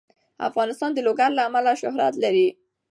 افغانستان د لوگر له امله شهرت لري.